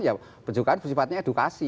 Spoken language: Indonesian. ya penjelakan persifatnya edukasi